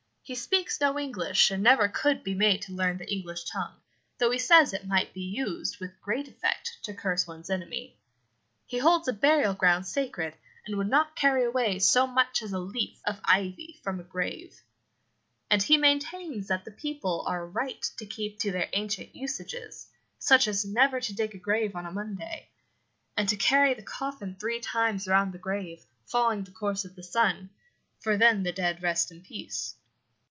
He speaks no English, and never could be made to learn the English tongue, though he says it might be used with great effect to curse one's enemy. He holds a burial ground sacred, and would not carry away so much as a leaf of ivy from a grave. And he maintains that the people are right to keep to their ancient usages, such as never to dig a grave on a Monday, and to carry the coffin three times round the grave, following the course of the sun, for then the dead rest in peace.